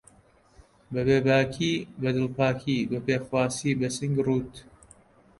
بەبێ باکی، بەدڵپاکی، بەپێخواسی بەسینگی ڕووت